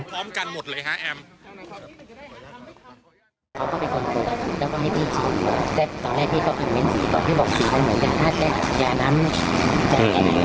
ก็ไม่น่าได้ออกไปเธอบอกว่าเธากระจ่งมือหน้า